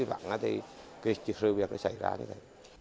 vẫn là thì cái sự việc nó xảy ra như thế